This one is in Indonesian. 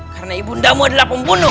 karena ibundamu adalah pembunuh